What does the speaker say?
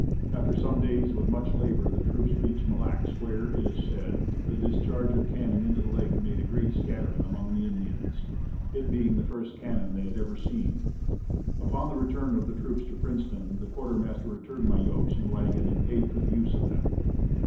After some days, with much labor the troops reached Mille Lacs, where, it was said, the discharge of the cannon into the lake made a great scattering among the Indians, it being the first cannon they had ever seen. Upon the return of the troops to Princeton the quartermaster returned my yokes and wagon and paid for the use of them.